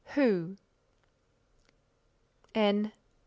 Who N.